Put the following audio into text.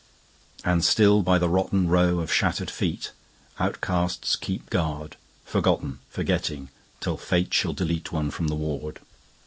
And still by the rottenRow of shattered feet, Outcasts keep guard. Forgotten, Forgetting, till fate shall deleteOne from the ward.